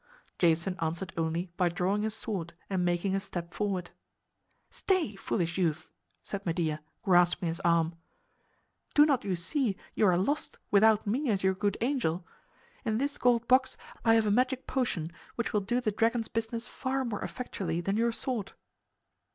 Jason answered only by drawing his sword and making a step forward. "Stay, foolish youth," said Medea, grasping his arm. "Do not you see you are lost without me as your good angel? In this gold box I have a magic potion which will do the dragon's business far more effectually than your sword."